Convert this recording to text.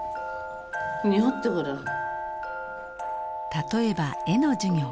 例えば絵の授業。